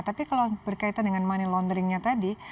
tapi kalau berkaitan dengan money launderingnya tadi